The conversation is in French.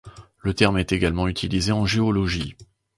Le terme est également utilisé en géologie.